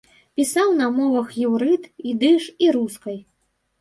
Пісаў на мовах іўрыт, ідыш і рускай.